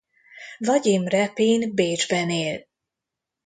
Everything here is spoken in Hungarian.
Vagyim Repin Bécsben él.